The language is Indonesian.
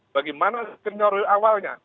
bagaimana sekenyuruh awalnya